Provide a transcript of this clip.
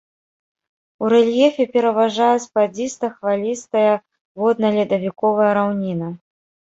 У рэльефе пераважае спадзіста-хвалістая водна-ледавіковая раўніна.